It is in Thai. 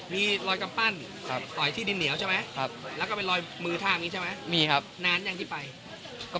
มีรอยกำปั้นถอยที่ดินเหนียวใช่ไหมแล้วก็มีโลยมือถ้าอย่างงี้ใช่ไหมนานยังที่ไปนานครับ